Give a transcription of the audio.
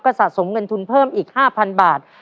ก็สะสมเงินทุนเพิ่มอีกห้าพันบาท